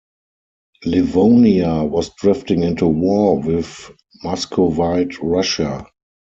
Livonia was drifting into war with Muscovite Russia.